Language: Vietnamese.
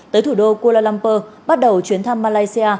tới thủ đô kuala lumpur bắt đầu chuyến thăm malaysia